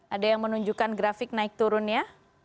ada yang menunjukkan grafik naik turunnya